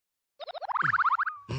うん。